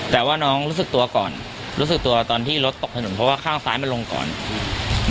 แต่ว่าน้องรู้สึกตัวก่อนรู้สึกตัวตอนที่รถตกถนนเพราะว่าข้างซ้ายมันลงก่อนอืม